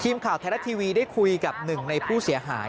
ทีมข่าวไทยรัฐทีวีได้คุยกับหนึ่งในผู้เสียหาย